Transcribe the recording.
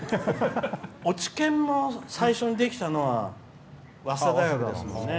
落研も最初にできたのは早稲田大学だもんね。